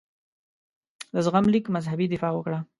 د زغم لیک مذهبي دفاع وکړه.